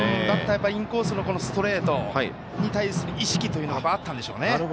バッター、インコースのストレートに対する意識があったんでしょうね。